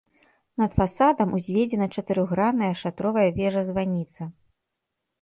Над фасадам узведзена чатырохгранная шатровая вежа-званіца.